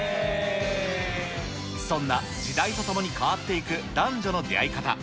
そんな時代と共に変わっていく男女の出会い方。